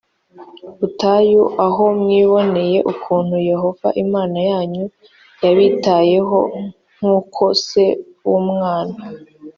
butayu k aho mwiboneye ukuntu yehova imana yanyu yabitayeho l nk uko se w umwana